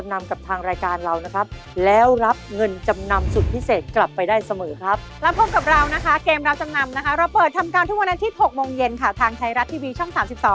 แล้วพบกับเรานะคะเกมรับจำนำนะคะเราเปิดทำการทุกวันอาทิตย์๖โมงเย็นค่ะทางไทยรัตร์ทีวีช่อง๓๒